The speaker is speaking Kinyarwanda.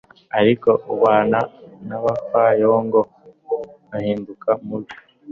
ariko ubana n’abapfayongo ahinduka mubi